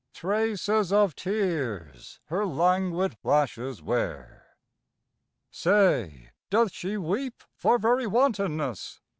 Traces of tears her languid lashes wear. Say, doth she weep for very wantonness?